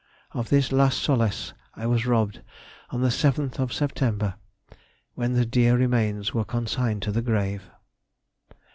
Of this last solace I was robbed on the 7th September, when the dear remains were consigned to the grave.